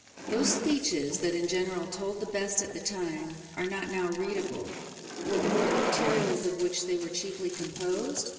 Those speeches that in general told the best at the time, are not now readable. What were the materials of which they were chiefly composed